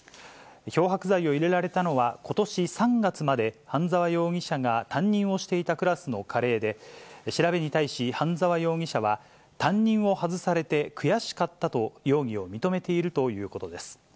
漂白剤を入れられたのは、ことし３月まで半沢容疑者が担任をしていたクラスのカレーで、調べに対し、半沢容疑者は、担任を外されて悔しかったと、容疑を認めているということです。